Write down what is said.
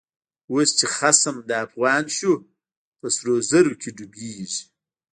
اوس چی خصم د افغان شو، په سرو زرو کی ډوبيږی